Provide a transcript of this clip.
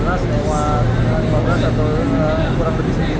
atau kurang lebih sedikit